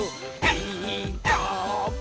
「ピーカーブ！」